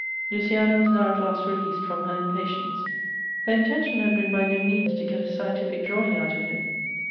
Luciana was now at last released from her impatience. Her intention had been by no means to get a scientific drawing out of him.